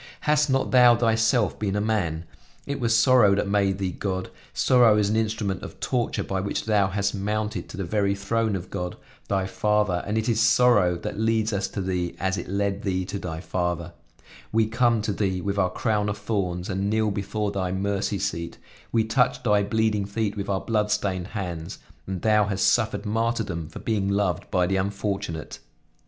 Hast not Thou Thyself been a man? It was sorrow that made Thee God; sorrow is an instrument of torture by which Thou hast mounted to the very throne of God, Thy Father, and it is sorrow that leads us to Thee as it led Thee to Thy Father; we come to Thee with our crown of thorns and kneel before Thy mercy seat; we touch Thy bleeding feet with our bloodstained hands, and Thou hast suffered martyrdom for being loved by the unfortunate."